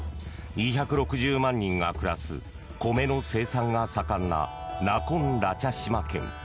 ２６０万人が暮らす米の生産が盛んなナコンラチャシマ県。